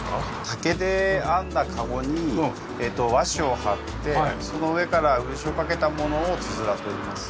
竹で編んだ籠に和紙を貼ってその上から漆をかけたものをつづらといいます。